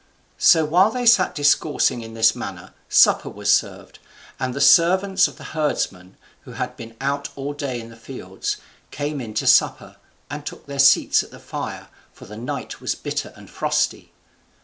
So while they sat discoursing in this manner, supper was served in, and the servants of the herdsman, who had been out all day in the fields, came in to supper, and took their seats at the fire, for the night was bitter and frosty.